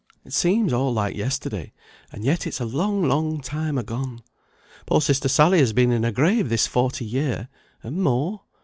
It seems all like yesterday, and yet it's a long long time agone. Poor sister Sally has been in her grave this forty year and more.